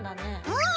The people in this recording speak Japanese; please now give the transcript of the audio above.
うん。